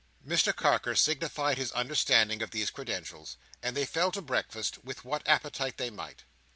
Mr Carker signified his understanding of these credentials, and they fell to breakfast with what appetite they might.